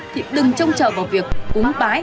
thì đừng trông chờ vào việc cúng bái